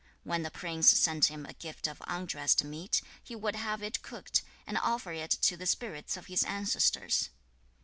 When the prince sent him a gift of undressed meat, he would have it cooked, and offer it to the spirits of his ancestors.